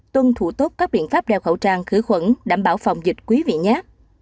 tuân thủ tốt các biện pháp đeo khẩu trang khử khuẩn đảm bảo phòng dịch quý vị nhát